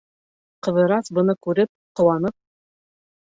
Ҡыҙырас быны күреп, ҡыуанып: